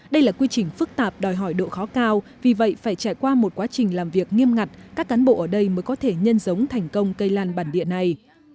đây là quy trình phức tạp đòi hỏi độ khó cao vì vậy phải trải qua một quá trình làm việc nghiêm ngặt các cán bộ ở đây mới có thể nhân giống thành công cây lan bản địa này